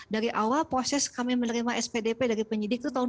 dari awal proses kami menerima spdp dari penyidik itu tahun dua ribu